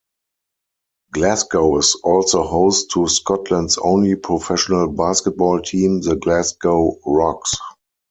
Glasgow is also host to Scotland's only professional basketball team, the Glasgow Rocks.